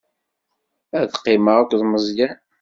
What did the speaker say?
Ad qqimeɣ akked Meẓyan.